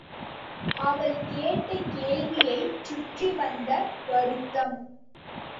அவள் கேட்ட கேள்வியைச் சுற்றி வந்த வருத்தம்.